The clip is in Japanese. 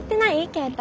携帯。